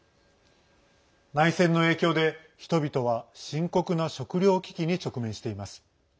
内戦の影響で、人々は深刻な食糧危機に直面しています。